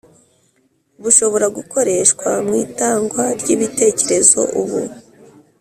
bushobora gukoreshwa mu itangwa ry’ibitekerezo. Ubu